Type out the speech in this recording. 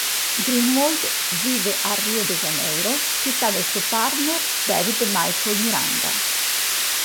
Greenwald vive a Rio de Janeiro, città del suo partner David Michael Miranda.